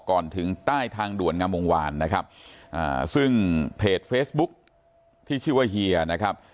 ก่อนถึงใต้ทางด่วนงามวงวานนะครับอ่าซึ่งเพจเฟซบุ๊กที่ชื่อว่าเฮียนะครับ